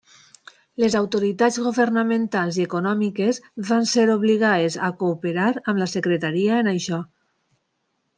Les autoritats governamentals i econòmiques van ser obligades a cooperar amb la secretaria en això.